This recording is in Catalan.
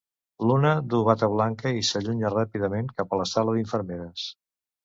L'una du bata blanca i s'allunya ràpidament cap a la sala d'infermeres.